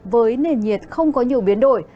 với nền nhiệt không có nhiều biến đổi